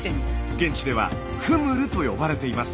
現地ではフムルと呼ばれています。